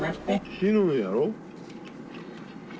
死ぬんやろ？